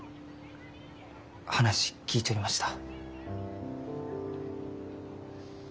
話聞いちょりました。